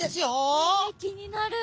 え気になる。